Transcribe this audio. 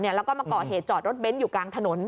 แล้วก็มาก่อเหตุจอดรถเน้นอยู่กลางถนน